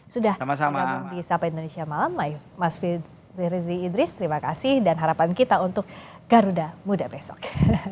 sudah bergabung di sapa indonesia malam mas firzi idris terima kasih dan harapan kita untuk garuda muda besok